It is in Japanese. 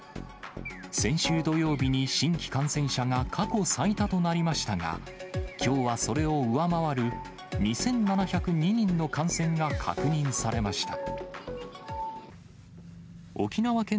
先週土曜日に新規感染者が過去最多となりましたが、きょうはそれを上回る２７０２人の感染が確認されました。